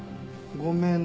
「ごめん。